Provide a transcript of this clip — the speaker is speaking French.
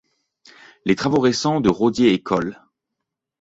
Les travaux récents de Rodier et coll.